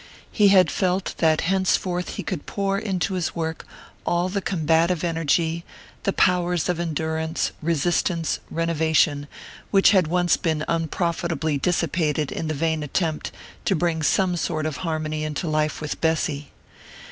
He had felt that henceforth he could pour into his work all the combative energy, the powers of endurance, resistance, renovation, which had once been unprofitably dissipated in the vain attempt to bring some sort of harmony into life with Bessy.